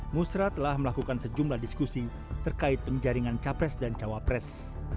musrah telah melakukan sejumlah diskusi terkait penjaringan capres dan cawapres